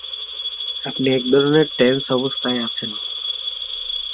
আপনি একধরনের টেন্স অবস্থায় আছেন।